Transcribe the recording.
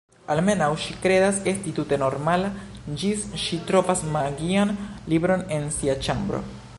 Almenaŭ ŝi kredas esti tute normala, ĝis ŝi trovas magian libron en sia ĉambro.